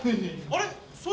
あれ？